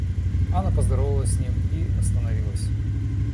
Анна поздоровалась с ним и остановилась.